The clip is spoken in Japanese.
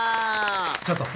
ちょっと！